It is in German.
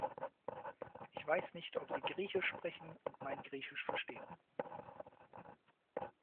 Ich weiß nicht, ob Sie Griechisch sprechen und mein Griechisch verstehen.